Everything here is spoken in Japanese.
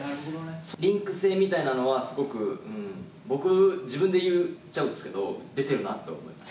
リンク性みたいなのは、すごく、僕、自分で言っちゃうんですけど、出てるなって思います。